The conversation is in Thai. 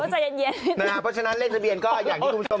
เพราะฉะนั้นเลขทะเบียนก็อย่างที่ทุกคนเห็น